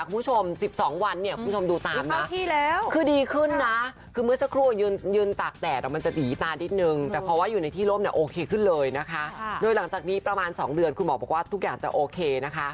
คุณผู้ชม๑๒วันเนี่ยคุณผู้ชมดูตามนะคะคือดีขึ้นนะ